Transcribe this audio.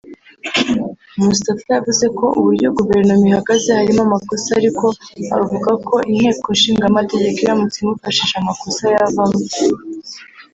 Mustafa yavuze ko uburyo guverinoma ihagaze harimo amakosa ariko avugako Inteko Ishingamategeko iramutse imufashije amakosa yavamo